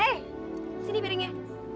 eh sini piringnya